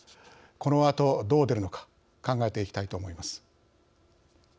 このあとどう出るのか考えていきたいと思います。